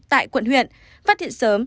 tại quận huyện phát hiện sớm